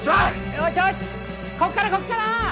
よしよしこっからこっから！